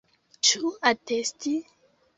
Ĉu atesti?